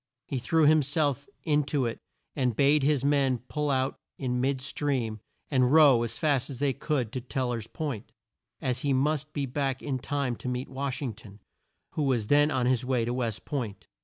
He threw him self in to it and bade his men pull out in mid stream and row as fast as they could to Tel ler's Point, as he must be back in time to meet Wash ing ton, who was then on his way to West Point.